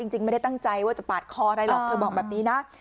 จริงไม่ได้ตั้งใจว่าจะปาดคออะไรหรอกเธอบอกแบบนี้นะ